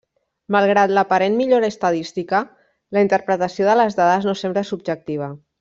Malgrat l'aparent millora estadística, la interpretació de les dades no sempre és objectiva.